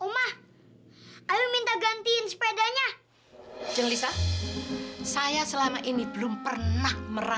sampai jumpa di video selanjutnya